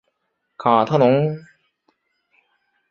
卡特农。